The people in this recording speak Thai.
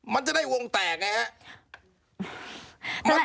มันจะได้วงแตกไงฮะ